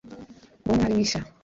Nguwo umwari w'ishya,